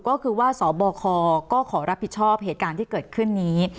ก็คือว่าสบคก็ขอรับผิดชอบเหตุการณ์ที่เกิดขึ้นนี้